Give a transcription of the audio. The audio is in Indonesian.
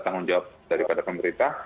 tanggung jawab daripada pemerintah